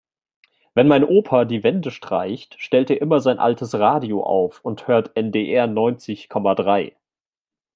Wenn mein Opa die Wände streicht, stellt er immer sein altes Radio auf und hört NDR neunzig Komma drei.